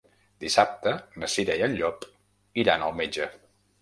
Dissabte na Cira i en Llop iran al metge.